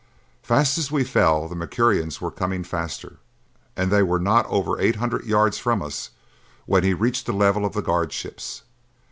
Fast as we fell, the Mercurians were coming faster, and they were not over eight hundred yards from us when he reached the level of the guard ships.